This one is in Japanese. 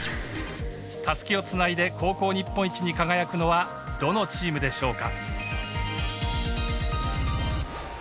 たすきをつないで高校日本一に輝くのはどのチームでしょうか。